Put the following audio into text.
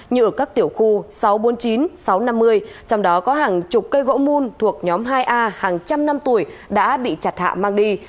như ở các tiểu khu sáu trăm bốn mươi chín sáu trăm năm mươi trong đó có hàng chục cây gỗ mùn thuộc nhóm hai a hàng trăm năm tuổi đã bị chặt hạ mang đi